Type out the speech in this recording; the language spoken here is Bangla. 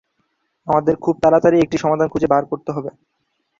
আমাদের খুব তারাতারিই একটি সমাধান খুঁজে বার করতে হবে।